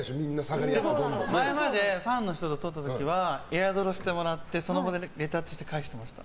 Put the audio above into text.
前までファンの人と撮った時はエアドロしてもらってその場でレタッチして返してました。